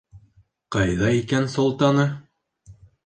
Ҡайҙа икән Солтаны?